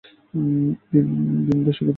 দিন দশেকের ছুটির আমার খুব দরকার।